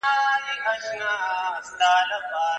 او چي مري هغه شهید دی ځي د ښکلیو حورو غېږته